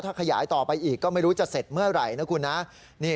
ถ้าขยายต่อไปอีกก็ไม่รู้จะเสร็จเมื่อไหร่นะคุณนะ